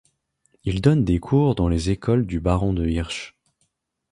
Il donne des cours dans les écoles du baron de Hirsch.